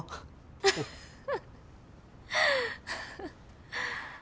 フフフフ。